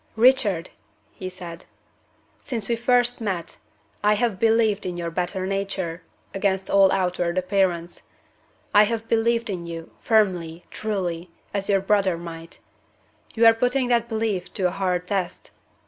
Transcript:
"Richard!" he said, "since we first met, I have believed in your better nature, against all outward appearance. I have believed in you, firmly, truly, as your brother might. You are putting that belief to a hard test.